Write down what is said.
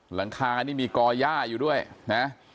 หลังคานี่มีกอหญ้าอยู่ด้วยนะฮะ